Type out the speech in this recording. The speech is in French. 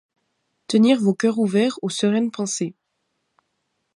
Tenir vos coeurs ouverts aux sereines pensées ;